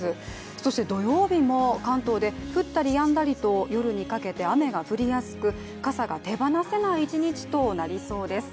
そして土曜日も関東で、降ったりやんだりと夜にかけて雨が降りやすく傘が手放せない一日となりそうです。